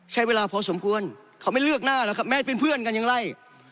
ใช้เวลาพอสมควรเขาไม่เลือกหน้าแล้วครับแม่เป็นเพื่อนกันอย่างไร